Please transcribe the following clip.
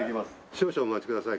少々お待ちください。